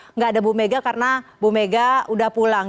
nggak ada bu mega karena bu mega udah pulang